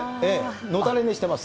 のたれ寝してます。